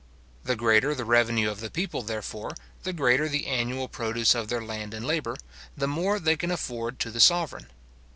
The greater the revenue of the people, therefore, the greater the annual produce of their land and labour, the more they can afford to the sovereign.